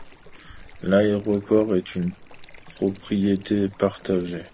L'aéroport est une propriété partagée.